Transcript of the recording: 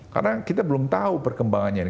karena kita belum tahu perkembangannya ini